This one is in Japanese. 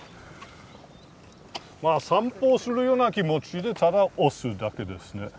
散歩をするような気持ちでただ押すだけですね。